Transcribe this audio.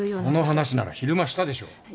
その話なら昼間したでしょう。